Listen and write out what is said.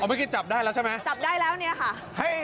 เอาบางทีจับได้แล้วใช่ไหมจับได้แล้วค่ะ